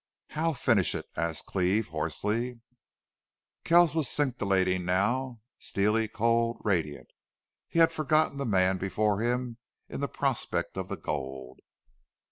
"How finish it?" asked Cleve, hoarsely. Kells was scintillating now, steely, cold, radiant. He had forgotten the man before him in the prospect of the gold.